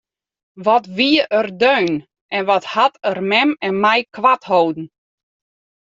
Wat wie er deun en wat hat er mem en my koart holden!